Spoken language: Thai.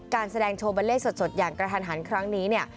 การแสดงโชว์บาเล่สดอย่างกระทันหันครั้งนี้เนี่ย